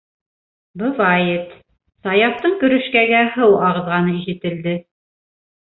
Бывает, - Саяфтың көрөшкәгә һыу ағыҙғаны ишетелде.